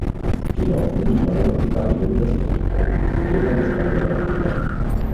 Kino není vybaveno digitální promítací technikou a je tak bez pravidelného programu.